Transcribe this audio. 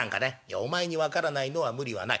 「お前に分からないのは無理はない。